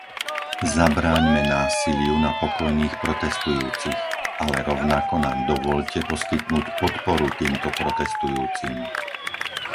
Zabráňme násiliu na pokojných protestujúcich, ale rovnako nám dovoľte poskytnúť podporu týmto protestujúcim.